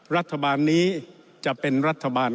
รัฐบาลนี้จะเป็นรัฐบาล